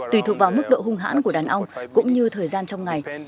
tùy thuộc vào mức độ hung hãn của đàn ong cũng như thời gian trong ngày